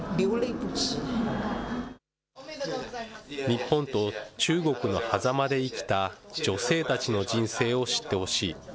日本と中国のはざまで生きた女性たちの人生を知ってほしい。